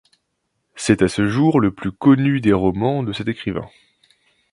C’est à ce jour le plus connu des romans de cet écrivain.